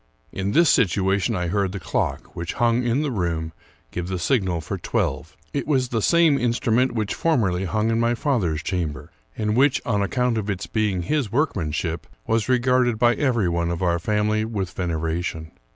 In this situation I heard the clock, which hung hi the room, give the signal for twelve. It was the same instrument which formerly hung in my father's chamber, and which, on ac count of its being his workmanship, was regarded by every one of our family with veneration.